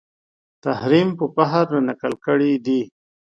تحریم په فخر رانقل کړی دی